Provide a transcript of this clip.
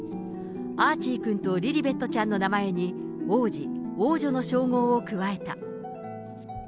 アーチー君とリリベットちゃんの名前に、王子、王女の称号を加えた。